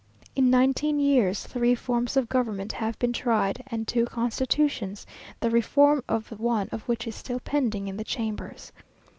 In nineteen years three forms of government have been tried, and two constitutions, the reform of one of which is still pending in the Chambers.